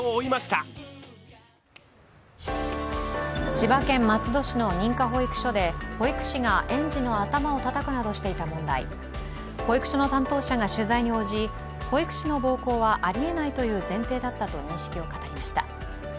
千葉県松戸市の認可保育所で保育士が園児の頭をたたくなどしていた問題、保育所の担当者が取材に応じ、保育士の暴行はありえないという前提だったと認識を語りました。